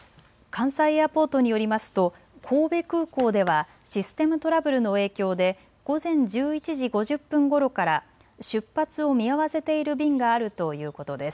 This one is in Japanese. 関西エアポートによりますと神戸空港ではシステムトラブルの影響で午前１１時５０分ごろから出発を見合わせている便があるということです。